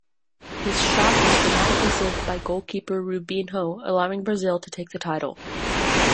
His shot was dramatically saved by goalkeeper Rubinho, allowing Brazil to take the title.